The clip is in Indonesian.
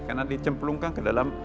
karena dicemplungkan ke dalam